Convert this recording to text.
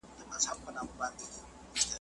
له سهاره تر ماښامه تله راتلله `